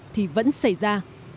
thì vẫn xảy ra